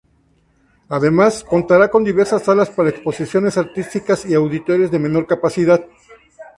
Además, contará con diversas salas para exposiciones artísticas y auditorios de menor capacidad.